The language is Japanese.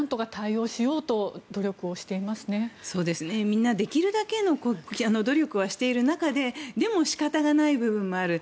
みんなできるだけの努力はしている中ででも、仕方がない部分もある。